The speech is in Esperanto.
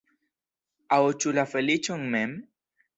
Aŭ ĉu la feliĉon mem?